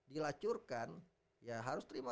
dilacurkan ya harus terima